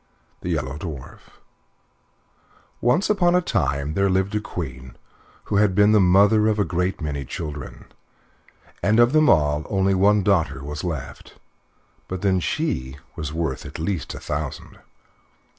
THE YELLOW DWARF Once upon a time there lived a queen who had been the mother of a great many children, and of them all only one daughter was left. But then she was worth at least a thousand.